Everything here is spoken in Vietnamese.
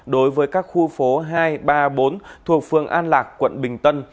đối với các khu phố hai ba bốn thuộc phường an lạc quận bình tân